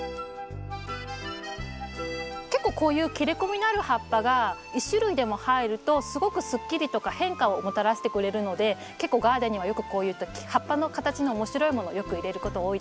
結構こういう切れ込みのある葉っぱが１種類でも入るとすごくすっきりとか変化をもたらしてくれるので結構ガーデンにはよくこういった葉っぱの形の面白いものよく入れること多いですね。